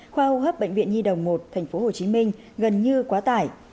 khoa hô hấp bệnh viện nhi đồng một thành phố hồ chí minh gần như quá tải